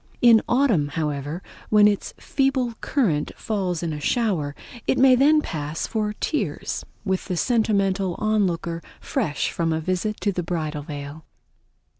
In autumn, however when its feeble current falls in a shower, it may then pass for tears with the sentimental onlooker fresh from a visit to the Bridal Veil.